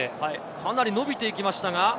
かなり伸びていきましたが。